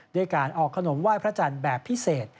ด้วยการออกขนมไหว้พระจันทร์แบบพิเศษ